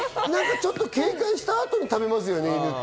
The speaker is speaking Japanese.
ちょっと警戒したあとに食べますよね、犬って。